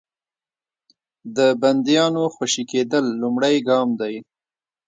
د بندیانو خوشي کېدل لومړی ګام دی.